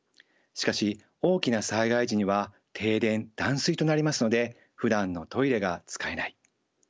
しかし大きな災害時には停電断水となりますのでふだんのトイレが使えない。